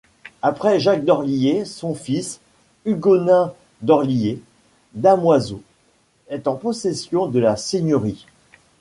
Après Jacques d'Orlyé, son fils, Hugonin d'Orlyé, damoiseau, est en possession de la seigneurie.